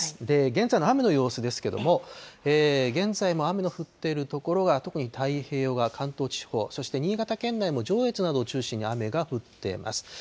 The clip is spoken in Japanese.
現在の雨の様子ですけれども、現在も雨の降っている所は、特に太平洋側、関東地方、そして新潟県内も上越などを中心に雨が降っています。